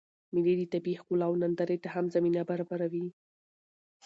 مېلې د طبیعي ښکلاوو نندارې ته هم زمینه برابروي.